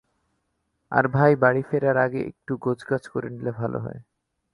আর ভাই বাড়ি ফেরার আগে একটু গোছগাছ করে নিলে ভালো হয়।